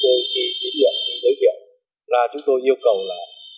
chủ tư khi tiến nhiệm về giới thiệu là chúng tôi yêu cầu là